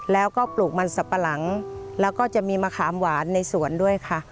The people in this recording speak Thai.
แล้วก็ปลูกมันสับปะหลังแล้วก็จะมีมะขามหวานในสวนด้วยค่ะ